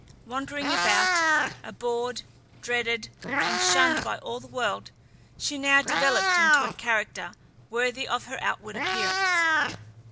Wandering about, abhorred, dreaded, and shunned by all the world, she now developed into a character, worthy of her outward appearance.